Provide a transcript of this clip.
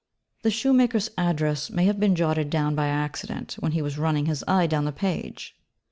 The shoemaker's address may have been jotted down by accident, when he was running his eye down the page?